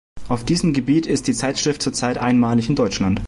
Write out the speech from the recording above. Auf diesem Gebiet ist die Zeitschrift zurzeit einmalig in Deutschland.